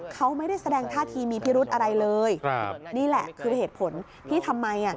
เขาไม่ได้แสดงท่าทีมีพิรุธอะไรเลยนี่แหละคือเหตุผลที่ทำไม